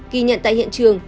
khi nhận tại hiện trường